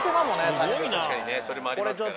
・確かにねそれもありますから。